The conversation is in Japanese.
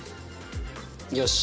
よし。